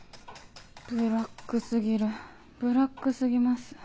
ブラック過ぎるブラック過ぎます。